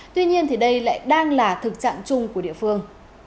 tuy nhiên đây lại đang là thực trạng chung của địa phương